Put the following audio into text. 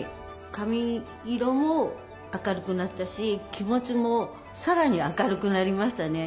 髪色も明るくなったし気持ちもさらに明るくなりましたね。